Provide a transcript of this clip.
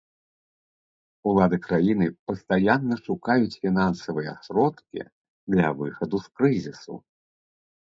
Улады краіны пастаянна шукаюць фінансавыя сродкі для выхаду з крызісу.